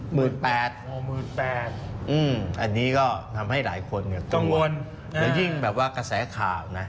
โอ้โห๑๘๐๐๐อันนี้ก็ทำให้หลายคนเหงื่อตัวแต่ยิ่งแบบว่ากระแสข่าวนะ